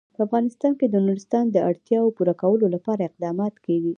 په افغانستان کې د نورستان د اړتیاوو پوره کولو لپاره اقدامات کېږي.